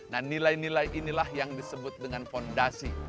nah nilai nilai inilah yang disebut dengan fondasi